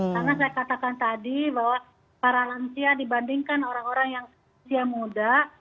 karena saya katakan tadi bahwa paralansia dibandingkan orang orang yang muda